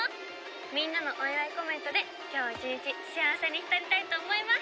「みんなのお祝いコメントで今日一日幸せに浸りたいと思います」